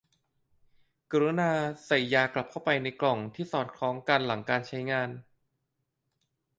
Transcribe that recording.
กรุณาใส่ยากลับเข้าไปในกล่องที่สอดคล้องกันหลังการใช้งาน